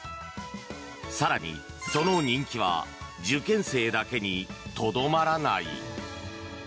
更に、その人気は受験生だけにとどまらない。